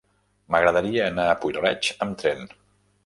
M'agradaria anar a Puig-reig amb tren.